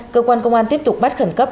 cơ quan công an tiếp tục bắt khẩn cấp